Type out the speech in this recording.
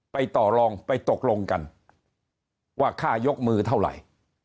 ต่อลองไปตกลงกันว่าค่ายกมือเท่าไหร่